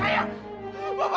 menurut anda ketemuhe onda